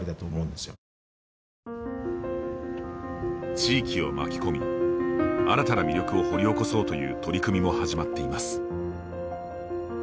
地域を巻き込み新たな魅力を掘り起こそうという取り組みも始まっています。